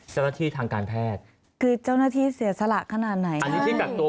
ทางการแพทย์คือเจ้าหน้าที่เสียสละขนาดไหนอันนี้ที่กักตัว